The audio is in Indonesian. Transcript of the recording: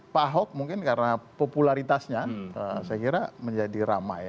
pak ahok mungkin karena popularitasnya saya kira menjadi ramai